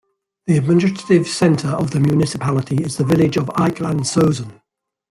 The administrative centre of the municipality is the village of Eikelandsosen.